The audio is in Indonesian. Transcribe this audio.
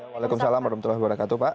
waalaikumsalam warahmatullahi wabarakatuh pak